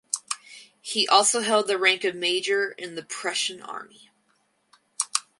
He also held the rank of major in the Prussian Army.